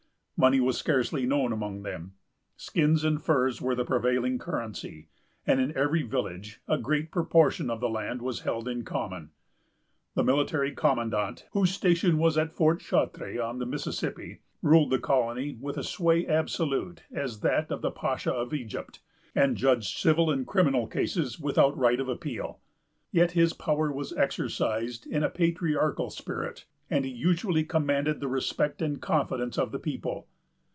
Money was scarcely known among them. Skins and furs were the prevailing currency, and in every village a great portion of the land was held in common. The military commandant, whose station was at Fort Chartres, on the Mississippi, ruled the colony with a sway absolute as that of the Pacha of Egypt, and judged civil and criminal cases without right of appeal. Yet his power was exercised in a patriarchal spirit, and he usually commanded the respect and confidence of the people.